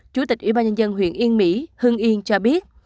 chủ tịch ủy ban nhân dân huyện yên mỹ hưng yên cho biết